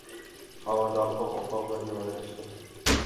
Havoda oppoq-oppoq bir nimalar uchdi.